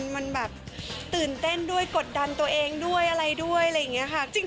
มันแบบตื่นเต้นด้วยกดดันตัวเองด้วยอะไรด้วยอะไรอย่างนี้ค่ะ